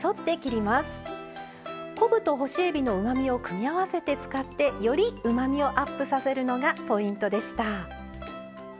昆布と干しえびのうまみを組み合わせて使ってよりうまみをアップさせるのがポイントでした。